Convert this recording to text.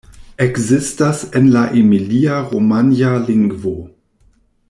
Ekzistas en la emilia-romanja lingvo.